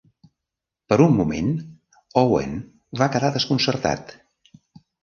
Per un moment, Owen va quedar desconcertat.